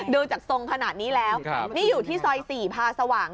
ดูจากทรงขนาดนี้แล้วนี่อยู่ที่ซอย๔พาสว่าง